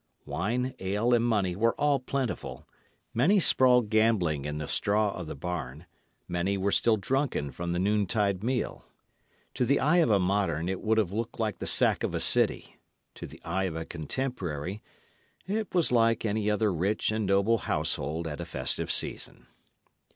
Wine, ale, and money were all plentiful; many sprawled gambling in the straw of the barn, many were still drunken from the noontide meal. To the eye of a modern it would have looked like the sack of a city; to the eye of a contemporary it was like any other rich and noble household at a festive season.